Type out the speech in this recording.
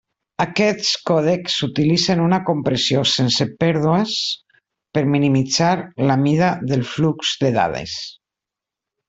Aquests còdecs utilitzen una compressió sense pèrdues per minimitzar la mida del flux de dades.